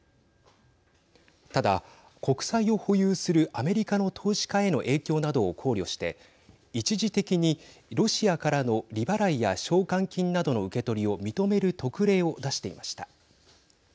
ただ、国債を保有するアメリカの投資家への影響などを考慮して一時的に、ロシアからの利払いや償還金などの受け取りを認める特例を出していました。